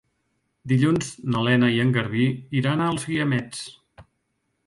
Dilluns na Lena i en Garbí iran als Guiamets.